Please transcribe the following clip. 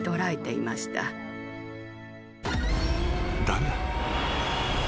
［だが］